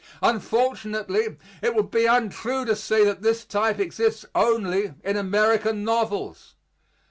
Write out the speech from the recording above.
Unfortunately it would be untrue to say that this type exists only in American novels.